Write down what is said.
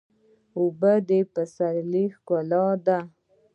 اوبه د پسرلي ښکلا ده.